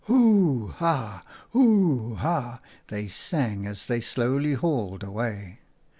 ' Hoo ha ! hoo ha !' they sang as they slowly hauled away.